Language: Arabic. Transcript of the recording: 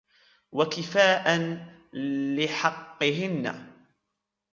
وَكِفَاءً لِحَقِّهِنَّ